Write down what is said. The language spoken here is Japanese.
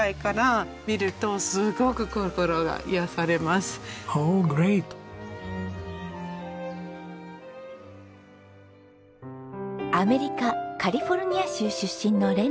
アメリカカリフォルニア州出身のレンネさん。